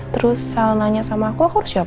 terus sel nanya sama aku aku harus jawab apa